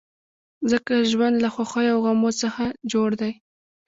ځکه ژوند له خوښیو او غمو څخه جوړ دی.